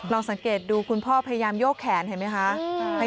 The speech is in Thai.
สังเกตดูคุณพ่อพยายามโยกแขนเห็นไหมคะ